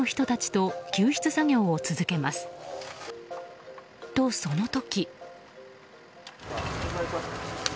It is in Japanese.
と、その時。